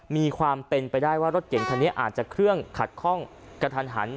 มีความเป็นไปได้ว่ารถเก่งคันนี้อาจจะเครื่องขัดข้องกระทันหัน